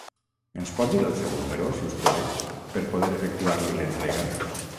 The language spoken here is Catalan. Ens pot dir el seu número, si us plau, per poder efectuar-li l'entrega?